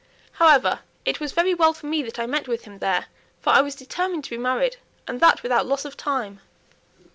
However, it was very well for me that I met with him there, for I was determined to be married, and that without loss of time."